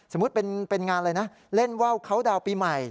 เป็นงานอะไรนะเล่นว่าวเขาดาวนปีใหม่